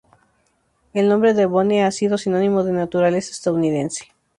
El nombre de Boone ha sido sinónimo de "naturaleza estadounidense".